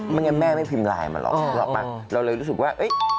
ไม่งั้นแม่ไม่พิมพ์ไลน์มาหรอกเราเลยรู้สึกว่า